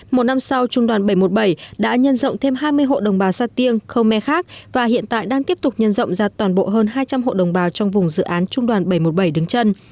một năm sau trung đoàn bảy trăm một mươi bảy đã nhân rộng thêm hai mươi hộ đồng bào sa tiên khơ me khác và hiện tại đang tiếp tục nhân rộng ra toàn bộ hơn hai trăm linh hộ đồng bào trong vùng dự án trung đoàn bảy trăm một mươi bảy đứng chân